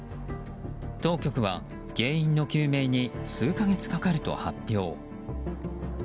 当局は原因の究明に数か月かかると発表。